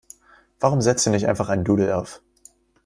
Warum setzt ihr nicht einfach ein Doodle auf?